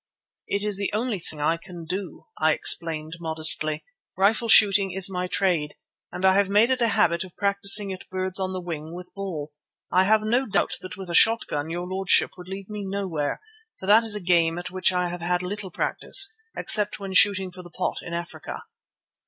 "It is the only thing I can do," I explained modestly. "Rifle shooting is my trade, and I have made a habit of practising at birds on the wing with ball. I have no doubt that with a shot gun your lordship would leave me nowhere, for that is a game at which I have had little practice, except when shooting for the pot in Africa."